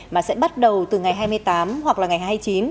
mà sẽ bắt đầu từ ngày hai mươi tám hoặc là ngày hai mươi chín